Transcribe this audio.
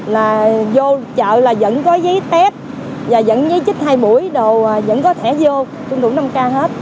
là vô chợ là vẫn có giấy test và vẫn giấy chích hai mũi đồ vẫn có thẻ vô tuân thủ năm k hết